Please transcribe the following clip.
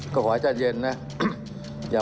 มีความรู้สึกว่า